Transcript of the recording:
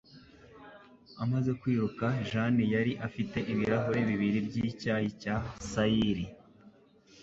Amaze kwiruka Jane yari afite ibirahuri bibiri byicyayi cya sayiri